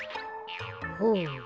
ほう。